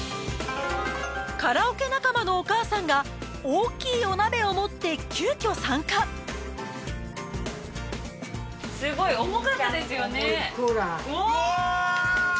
カラオケ仲間のお母さんが大きいお鍋を持って急きょ参加すごい重かったですよねうわ！